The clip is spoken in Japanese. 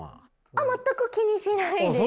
あっ全く気にしないです。